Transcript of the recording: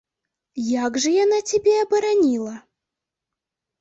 Як жа яна цябе абараніла?